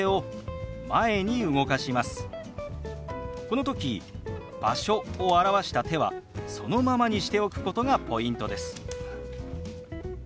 この時「場所」を表した手はそのままにしておくことがポイントです。